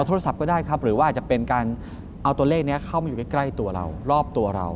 โทรศัพท์ก็ได้ครับหรือว่าอาจจะเป็นการเอาตัวเลขนี้เข้ามาอยู่ใกล้ตัวเรารอบตัวเรา